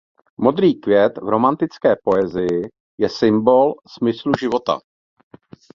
Modrý květ v romantické poezii je symbol smyslu života.